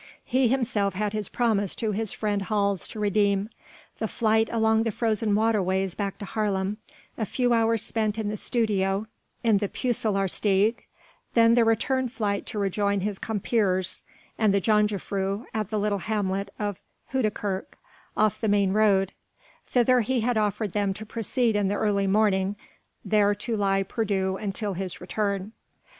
He himself had his promise to his friend Hals to redeem ... the flight along the frozen waterways back to Haarlem, a few hours spent in the studio in the Peuselaarsteeg, then the return flight to rejoin his compeers and the jongejuffrouw at the little hamlet of Houdekerk off the main road; thither he had ordered them to proceed in the early morning there to lie perdu until his return.